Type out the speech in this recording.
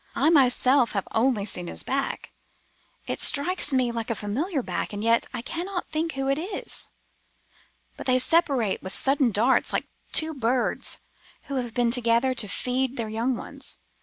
I myself have only seen his back. It strikes me like a familiar back, and yet I cannot think who it is. But they separate with sudden darts, like two birds who have been together to feed their young ones.